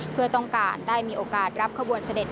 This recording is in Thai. เพื่อต้องการได้มีโอกาสรับขบวนเสด็จ